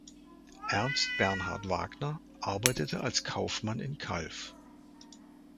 Ernst Bernhard Wagner arbeitete als Kaufmann in Calw.